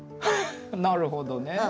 なるほどね。